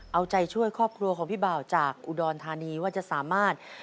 เอาใจช่วยครอบครัวของพี่บ่าวจากอุดรธานีว่าจะสามารถ